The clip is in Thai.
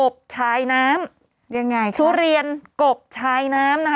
พันธุเรียนกบชัยน้ำ